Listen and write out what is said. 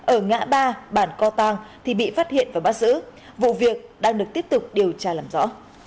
ở ngã ba bản co tăng thì bị phát hiện và bắt giữ vụ việc đang được tiếp tục điều tra làm rõ